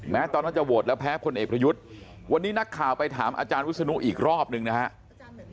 ตอนนั้นจะโหวตแล้วแพ้คนเอกประยุทธ์วันนี้นักข่าวไปถามอาจารย์วิศนุอีกรอบหนึ่งนะครับ